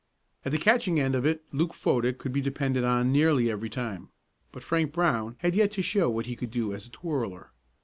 At the catching end of it Luke Fodick could be depended on nearly every time. But Frank Brown had yet to show what he could do as a twirler.